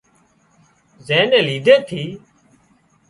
زين نين ليڌي ٿِي